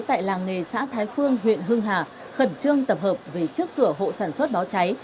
tại làng nghề xã thái phương huyện hưng hà khẩn trương tập hợp về trước cửa hộ sản xuất báo cháy